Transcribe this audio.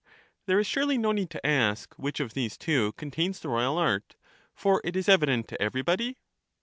There is surely no need to ask which of these two contains the royal art, for it is evident to everybody.